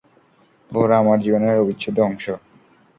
ঘোড়া আমার জীবনের অবিচ্ছেদ্য অংশ।